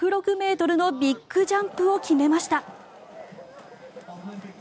１０６ｍのビッグジャンプを決めました。